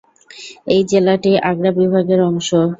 এই জেলাটি আগ্রা বিভাগের অংশ।